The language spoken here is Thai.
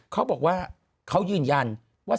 เขาบอกว่าเขายืนยันว่า